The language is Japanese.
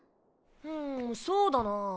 うんそうだなぁ。